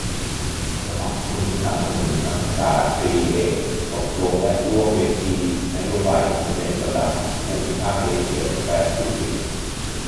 สมัครทุนสนับสนุนนักศึกษาตรี-เอก อบรมและร่วมเวทีนโยบายอินเทอร์เน็ตระดับภูมิภาคเอเชียแปซิฟิก